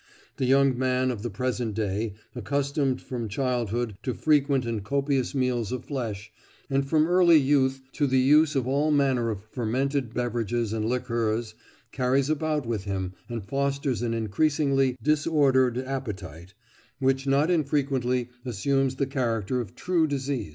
The young man of the present day, accustomed from childhood to frequent and copious meals of flesh, and from early youth to the use of all manner of fermented beverages and liqueurs, carries about with him and fosters an increasingly disordered appetite, which not infrequently assumes the character of true disease."